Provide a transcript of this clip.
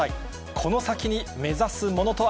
この先に目指すものとは。